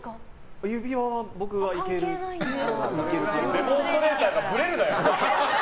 デモンストレーターがぶれるなよ！